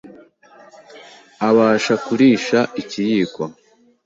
abasha kurisha ikiyiko